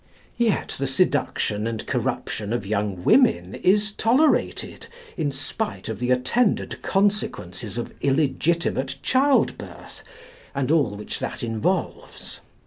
Yet the seduction and corruption of young women is tolerated, in spite of the attendant consequences of illegitimate childbirth, and all which that involves.